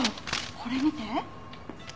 これ見て。